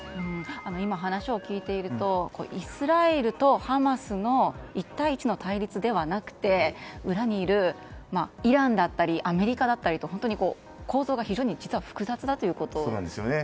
今、話を聞いているとイスラエルとハマスの１対１の対立ではなくて裏にいるイランだったりアメリカだったり構造が非常に実は複雑ということですね。